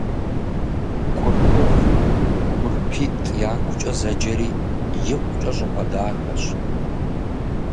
Курпыгъу «КурпитӀ якукӀэ» зэджэри икъукӀэ щӀыпӀэ дахэщ.